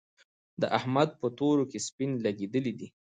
د احمد په تورو کې سپين لګېدلي دي.